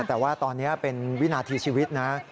แต่ว่าตอนนี้เป็นวินาทีชีวิตนะ